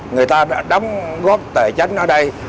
người ta đã đóng góp tài tránh ở đây